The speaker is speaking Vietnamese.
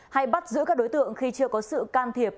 hay bắt giữ các đối tượng khi chưa có sự can thiệp